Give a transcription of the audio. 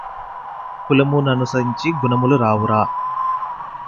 కులము ననుసరించి గుణములు రావురా